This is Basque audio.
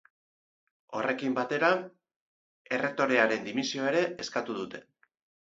Horrekin batera, errektorearen dimisioa ere eskatu dute.